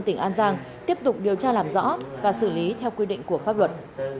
tỉnh an giang tiếp tục điều tra làm rõ và xử lý theo quy định của pháp luật